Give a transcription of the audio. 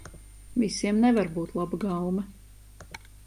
Visiem nevar būt laba gaume.